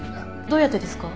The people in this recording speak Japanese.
どうやってですか？